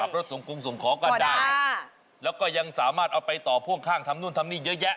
รถส่งกรุงส่งของกันได้แล้วก็ยังสามารถเอาไปต่อพ่วงข้างทำนู่นทำนี่เยอะแยะ